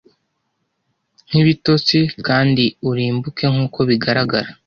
Nkibitotsi, kandi urimbuke nkuko bigaragara